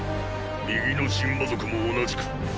右のシンバ族も同じく。